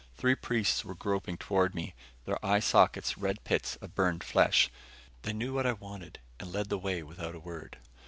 Three priests were groping toward me, their eye sockets red pits of burned flesh. They knew what I wanted and led the way without a word.